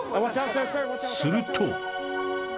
すると